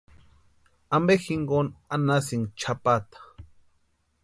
¿Ampe jinkoni anhasïnki chʼapata?